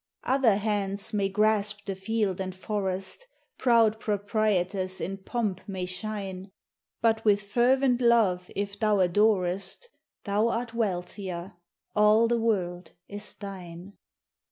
Other hands may grasp the field and forest, Proud proprietors in pomp may shine; But with fervent love if thou adorest, Thou art wealthier, all the world is thine.